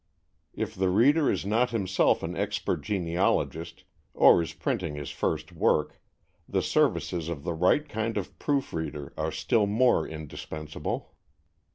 If the reader is not himself an expert genealogist, or is printing his first work, the services of the right kind of proof reader are still more indispensable.